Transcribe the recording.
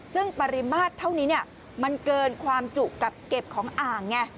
ซึ่งปริมาตรเท่านี้มันเกินความจุกับเก็บของอ่างไง